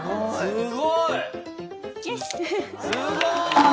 すごい。